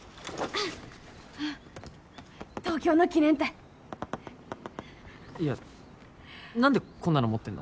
東京の記念たいいや何でこんなの持ってんの？